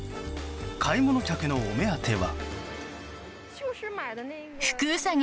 買い物客のお目当ては。